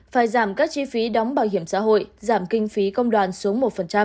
phải giảm các chi phí đóng bảo hiểm xã hội giảm kinh phí công đoàn xuống một